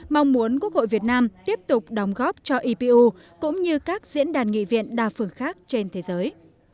mong muốn quốc hội việt nam tiếp tục đóng góp cho ipu cũng như các diễn đàn nghị viện đa phương khác trên thế giới